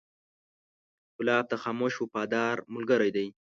ګلاب د خاموش وفادار ملګری دی.